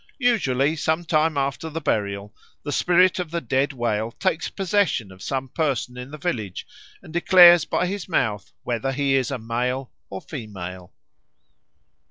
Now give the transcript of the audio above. Usually some time after the burial the spirit of the dead whale takes possession of some person in the village and declares by his mouth whether he is a male or a female.